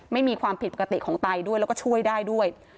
ไม่มีความผิดปกติของไตด้วยแล้วก็ช่วยได้ด้วย